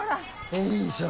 よいしょ。